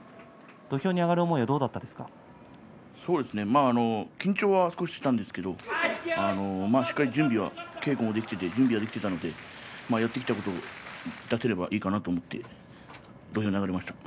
土俵に上がる時は緊張はちょっとしたんですけれどしっかり準備は稽古もできて準備ができていたのでやってきたことが出せればいいかなと思って土俵に上がりました。